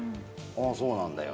「あぁそうなんだよ」